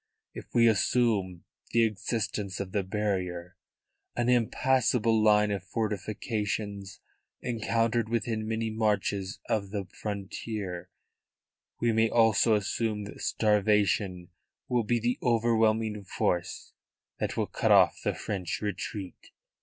If we assume the existence of the barrier an impassable line of fortifications encountered within many marches of the frontier we may also assume that starvation will be the overwhelming force that will cut off the French retreat."